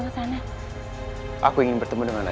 penda using alan pula hari ini